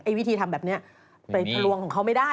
วิธีทำแบบนี้ไปทะลวงของเขาไม่ได้